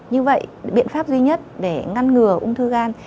như vậy biện pháp duy nhất để ngăn ngừa ung thư gan